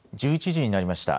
１１時になりました。